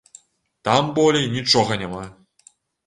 Там болей нічога няма!